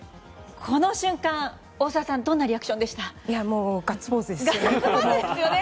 この瞬間、大澤さんどんなリアクションでした？